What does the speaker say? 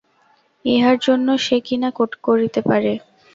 ইহার জন্য সে কী না করিতে পারে।